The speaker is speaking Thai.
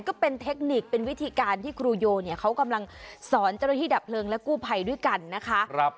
ก็เป็นเทคนิคเป็นวิธีการที่ครูโยเนี่ยเขากำลังสอนเจ้าหน้าที่ดับเพลิงและกู้ภัยด้วยกันนะคะ